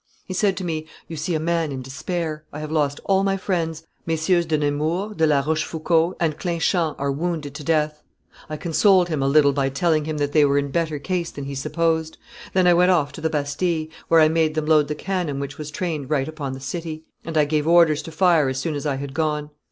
He said to me, 'You see a man in despair; I have lost all my friends; MM. de Nemours, de la Rochefoucauld, and Clinchamps are wounded to death.' I consoled him a little by telling him that they were in better case than he supposed. Then I went off to the Bastille, where I made them load the cannon which was trained right upon the city; and I gave orders to fire as soon as I had gone.